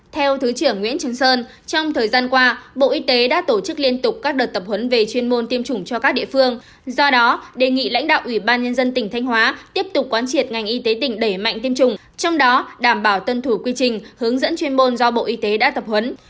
theo thứ trưởng nguyễn trần sơn trong thời gian qua bộ y tế đã tổ chức liên tục các đợt tập huấn về chuyên môn tiêm chủng cho các địa phương do đó đề nghị lãnh đạo ủy ban nhân dân tỉnh thanh hóa tiếp tục quán triệt ngành y tế tỉnh đẩy mạnh tiêm chủng trong đó đảm bảo tuân thủ quy trình hướng dẫn chuyên môn do bộ y tế đã tập huấn